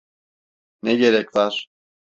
Ne gerek var?